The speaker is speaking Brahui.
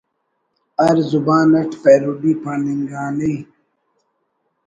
ہر زبان اٹ پیروڈی پاننگانے